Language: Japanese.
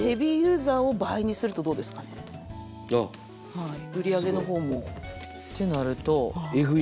はい売り上げの方も。ってなると。